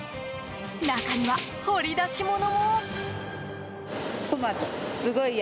中には掘り出し物も。